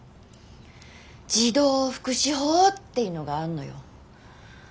児童福祉法っていうのがあんのよ。